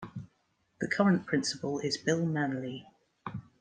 The current principal is Bill Manley.